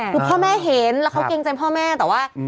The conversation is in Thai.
คือพ่อแม่เห็นแล้วเขาเกรงใจพ่อแม่แต่ว่า